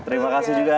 terima kasih juga